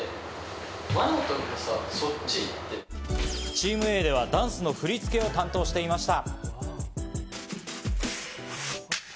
チームＡではダンスの振り付けを担当していました。